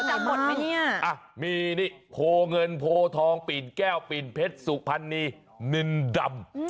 อ่ะมีนี่โพเงินโพทองปิ่นแก้วปิ่นเพชรสุพรรณีนินดำ